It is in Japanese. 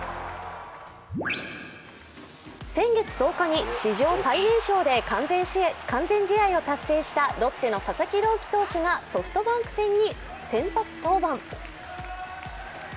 先月１０日に史上最年少で完全試合を達成したロッテの佐々木朗希投手がソフトバンク戦に先発登板。